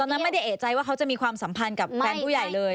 นั้นไม่ได้เอกใจว่าเขาจะมีความสัมพันธ์กับแฟนผู้ใหญ่เลย